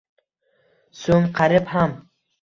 So’ng, qarib ham